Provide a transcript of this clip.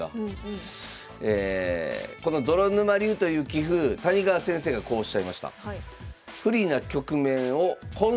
この泥沼流という棋風谷川先生がこうおっしゃいました。